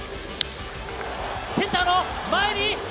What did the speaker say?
センターの前に。